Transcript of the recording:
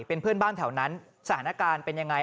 เป็นเพื่อนบ้านแถวนั้นสถานการณ์เป็นยังไง